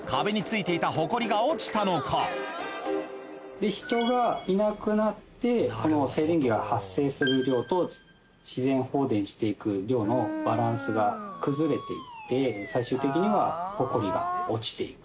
では人がいなくなってこの静電気が発生する量と自然放電していく量のバランスが崩れていって最終的にはホコリが落ちていく。